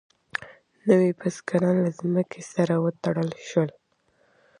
نوي بزګران له ځمکې سره وتړل شول.